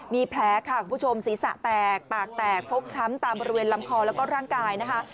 มีแผลค่ะคุณผู้ชมศีรษะแตกปากแตกฟกช้ำตามบริเวณลำคอแล้วก็ร่างกายนะคะ